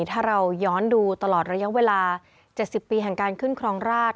ถ้าเราย้อนดูตลอดระยะเวลา๗๐ปีแห่งการขึ้นครองราช